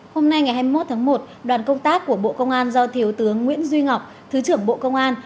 hôm nay ngày hai mươi một tháng một đoàn công tác của bộ công an do thiếu tướng nguyễn duy ngọc thứ trưởng bộ công an